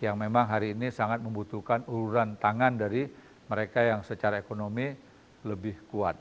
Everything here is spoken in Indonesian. yang memang hari ini sangat membutuhkan uluran tangan dari mereka yang secara ekonomi lebih kuat